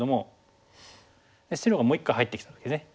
白がもう１個入ってきた時ですね。